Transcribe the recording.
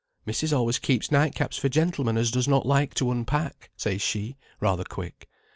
"'Missis always keeps night caps for gentlemen as does not like to unpack,' says she, rather quick.